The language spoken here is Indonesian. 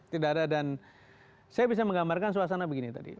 tidak ada dan saya bisa menggambarkan suasana begini tadi